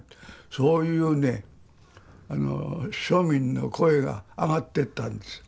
そういうね庶民の声が上がってったんです。